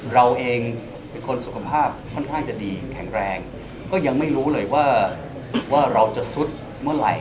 เราเองเป็นคนสุขภาพค่อนข้างจะดีแข็งแรงก็ยังไม่รู้เลยว่าเราจะซุดเมื่อไหร่